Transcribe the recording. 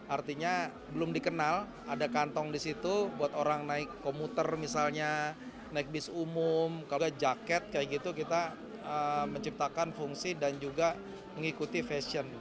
artinya belum dikenal ada kantong di situ buat orang naik komuter misalnya naik bis umum kalau jaket kayak gitu kita menciptakan fungsi dan juga mengikuti fashion